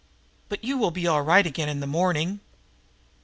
But you will be all right again in the morning."